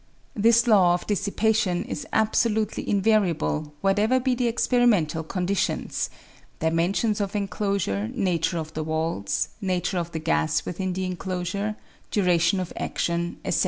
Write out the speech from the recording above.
This law of dissipation is absolutely invariable whatever be the experimental conditions (dimensions of enclosure, nature of the walls, nature of the gas within the enclosure, duration of adtion, &c.).